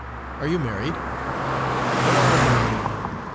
Are you married?" "No, I am not."